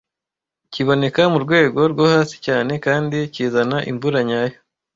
kiboneka murwego rwo hasi cyane kandi kizana imvura nyayo